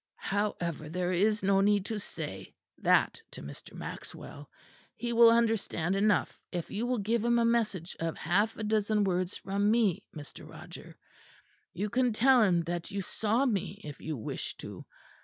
However, there is no need to say that to Mr. Maxwell; he will understand enough if you will give him a message of half a dozen words from me, Mr. Roger. You can tell him that you saw me, if you wish to.